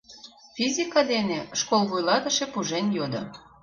— Физика дене? — школ вуйлатыше пужен йодо.